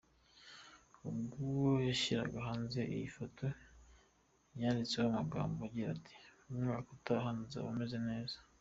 Ubwo yashyiraga hanze iyi foto yanditseho amagambo agira ati “Umwaka utaha nzaba meze neza”.